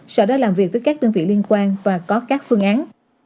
sở đã làm việc với các đơn vị liên quan và có các phương án